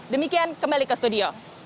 demikian kembali ke studio